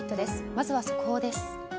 まずは速報です。